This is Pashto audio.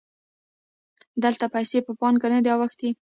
دلته پیسې په پانګه نه دي اوښتي